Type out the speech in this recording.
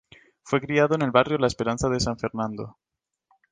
Fue criado en el barrio La Esperanza de San Fernando.